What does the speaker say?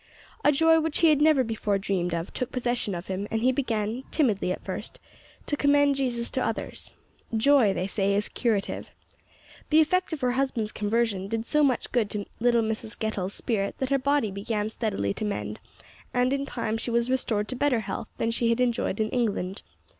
A joy which he had never before dreamed of took possession of him, and he began, timidly at first to commend Jesus to others. Joy, they say, is curative. The effect of her husband's conversion did so much good to little Mrs Getall's spirit that her body began steadily to mend, and in time she was restored to better health than she had enjoyed in England.